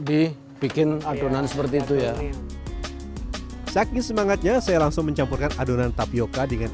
dibikin adonan seperti itu ya sakis semangatnya saya langsung mencampurkan adonan tapioca dengan